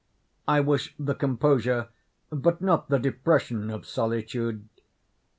I wish the composure but not the depression of solitude.